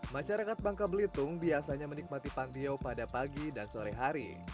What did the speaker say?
masyarakat bangka belitung biasanya menikmati pantiau pada pagi dan sore hari